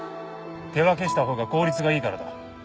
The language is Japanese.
手分けしたほうが効率がいいからだ。